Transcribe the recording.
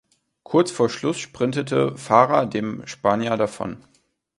Kurz vor Schluss sprintete Farah dem Spanier davon.